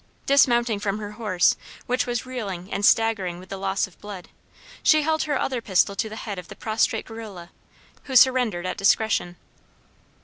Dismounting from her horse, which was reeling and staggering with loss of blood, she held her other pistol to the head of the prostrate guerrilla, who surrendered at discretion.